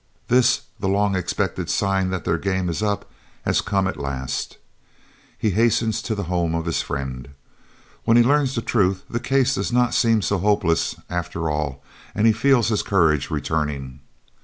This, the long expected sign that their game is up, has come at last. He hastens to the home of his friend. When he learns the truth the case does not seem so hopeless after all and he feels his courage returning.